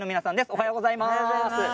おはようございます。